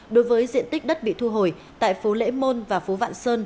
đối với diện tích đất bị thu hồi tại phố lễ môn và phố vạn sơn